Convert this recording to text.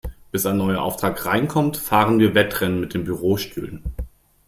Bis ein neuer Auftrag reinkommt, fahren wir Wettrennen mit den Bürostühlen.